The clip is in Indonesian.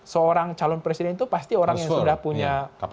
seorang calon presiden itu pasti orang yang sudah punya